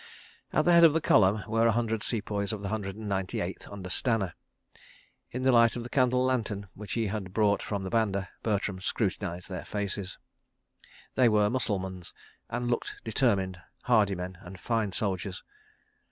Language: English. ... At the head of the column were a hundred Sepoys of the Hundred and Ninety Eighth, under Stanner. In the light of the candle lantern which he had brought from the banda, Bertram scrutinised their faces. They were Mussulmans, and looked determined, hardy men and fine soldiers.